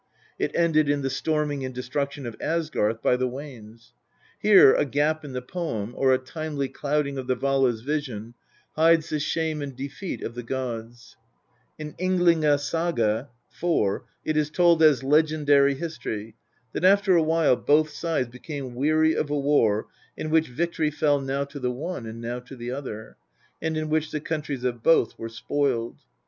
It ended in the storming and destruction of Asgarth by the Wanes. Here a gap in the poem or a timely clouding of the Vala's vision hides the shame and defeat of the gods. In 'Ynglinga Saga (iv.) it is told as legendary history that after a while both sides became weary of a war in which victory fell now to the one and now to the other, and in which the countries of both were spoiled.